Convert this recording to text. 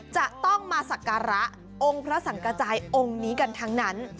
จะต้องมาสักการะองค์พระสังกระจายองค์นี้กันทั้งนั้น